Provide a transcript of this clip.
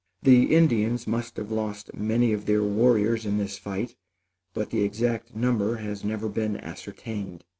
The Indians must have lost many of their warriors in this fight, but the exact number has never been ascertained.